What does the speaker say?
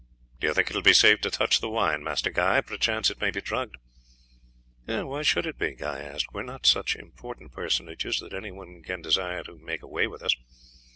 "Do you think that it will be safe to touch the wine, Master Guy? Perchance it may be drugged." "Why should it be?" Guy asked. "We are not such important personages that anyone can desire to make away with us.